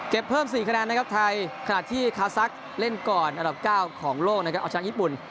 เพิ่ม๔คะแนนนะครับไทยขณะที่คาซักเล่นก่อนอันดับ๙ของโลกนะครับเอาชนะญี่ปุ่น